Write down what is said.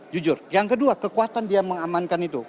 jujur yang kedua kekuatan dia mengamankan itu